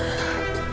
aku gak salah